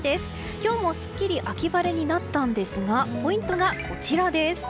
今日もすっきり秋晴れになったんですがポイントがこちらです。